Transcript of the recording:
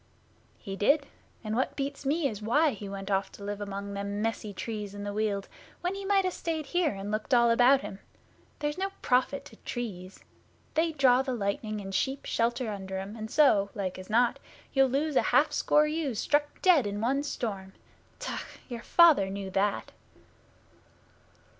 'He did. And what beats me is why he went off to live among them messy trees in the Weald, when he might ha' stayed here and looked all about him. There's no profit to trees. They draw the lightning, and sheep shelter under 'em, and so, like as not, you'll lose a half score ewes struck dead in one storm. Tck! Your father knew that.